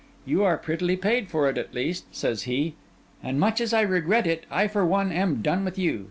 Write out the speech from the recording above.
'You are prettily paid for it, at least,' says he; 'and much as I regret it, I, for one, am done with you.